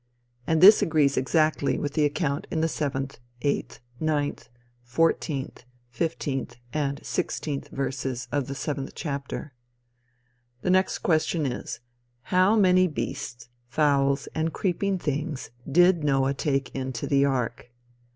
And this agrees exactly with the account in the 7th, 8th, 9th, 14th. 15th, and 16th verses of the 7th chapter. The next question is, how many beasts, fowls and creeping things did Noah take into the ark?